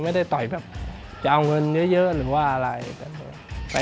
ไม่ได้ต่อยแบบจะเอาเงินเยอะหรือว่าอะไรแบบนี้